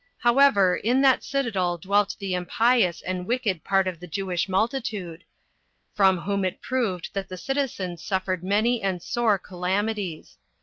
However, in that citadel dwelt the impious and wicked part of the [Jewish] multitude, from whom it proved that the citizens suffered many and sore calamities.